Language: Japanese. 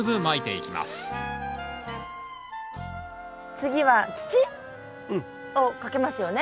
次は土をかけますよね？